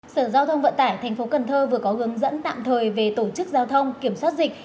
sở giao thông vận tải tp cần thơ vừa có hướng dẫn tạm thời về tổ chức giao thông kiểm soát dịch